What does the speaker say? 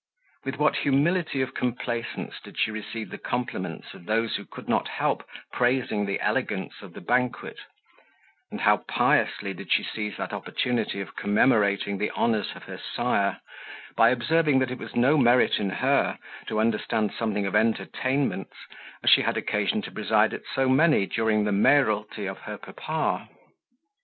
With what humility of complaisance did she receive the compliments of those who could not help praising the elegance of the banquet; and how piously did she seize that opportunity of commemorating the honours of her sire, by observing that it was no merit in her to understand something of entertainments, as she had occasion to preside at so many, during the mayoralty of her papa!